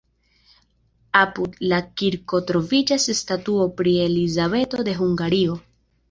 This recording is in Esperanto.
Apud la kirko troviĝas statuo pri Elizabeto de Hungario.